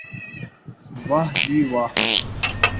واہ جی واہ